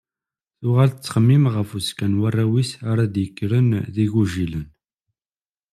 Tuɣal tettxemmim ɣef uzekka n warraw-is ara d-yekkren d igujilen.